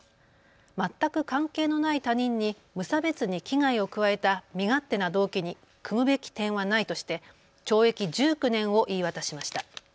全く関係のない他人に無差別に危害を加えた身勝手な動機に酌むべき点はないとして懲役１９年を言い渡しました。